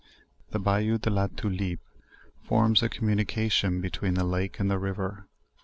The Bayou de la Tulipe forms a communication between the the lake and the river.